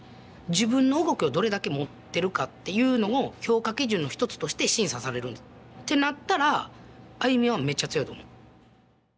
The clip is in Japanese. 自分の動きをどれだけ持ってるかっていうのを評価基準の一つとして審査される。ってなったらＡＹＵＭＩはめっちゃ強いと思う。